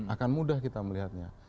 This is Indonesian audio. akan mudah kita melihatnya